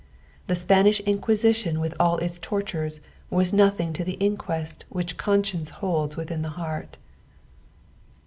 The Spanish inquisition with all its tortures was nothing to the inquest which conscience holds within the heart.